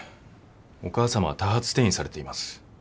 お母さまは多発転移されています。